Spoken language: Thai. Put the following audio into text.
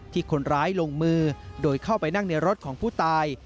ที่คนร้ายลงมือโดยเข้าไปนั่งในรถของผู้ตาย